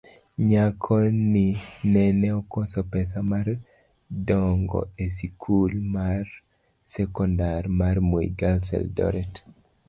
nyako ni nene okoso pesa mar dongo esikul marsekondari mar Moi Girls, Eldoret